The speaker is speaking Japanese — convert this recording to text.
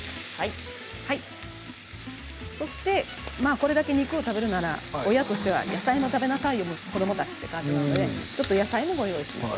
これだけ肉を食べるなら親としては野菜も食べなさいよ子どもたちという感じなのでちょっと野菜も用意しました。